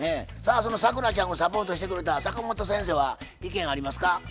さあその咲楽ちゃんをサポートしてくれた坂本先生は意見ありますか？